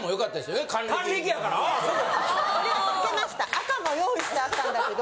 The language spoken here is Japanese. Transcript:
赤も用意してあったんだけど。